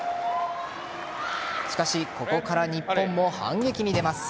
しかしここから日本も反撃に出ます。